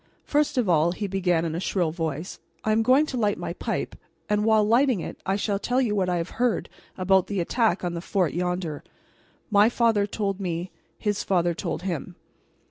"First of all," he began in a shrill voice, "I am going to light my pipe, and while lighting it I shall tell you what I have heard about the attack on the fort yonder. My father told me; his father told him."